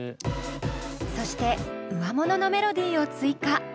そして上もののメロディーを追加。